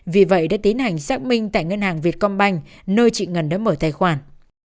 vì vậy đã tiến hành xác minh tại ngân hàng việt công banh nơi chị ngân đã mở tài khoản